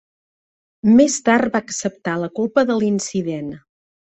Més tard va acceptar la culpa de l'incident.